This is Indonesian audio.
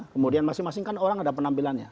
kemudian masing masing kan orang ada penampilannya